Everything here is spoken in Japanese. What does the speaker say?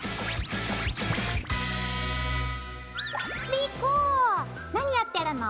莉子何やってるの？